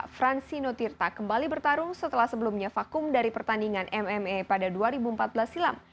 fransino tirta kembali bertarung setelah sebelumnya vakum dari pertandingan mma pada dua ribu empat belas silam